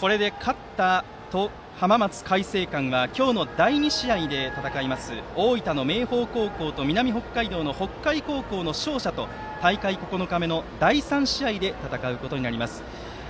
これで勝った浜松開誠館は今日の第２試合で戦います大分の明豊高校と南北海道の北海高校の勝者と大会９日目の第３試合で戦うことになります。